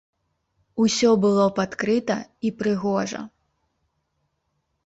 Усё было б адкрыта і прыгожа!